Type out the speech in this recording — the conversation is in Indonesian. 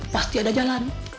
pasti ada jalan